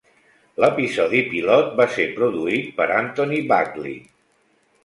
L'episodi pilot va ser produït per Anthony Buckley.